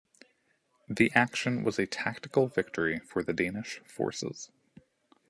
The action was a tactical victory for the Danish forces.